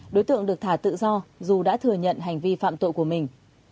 đối tượng được thả tự do dù đã thừa nhận hành vi phạm tội của mình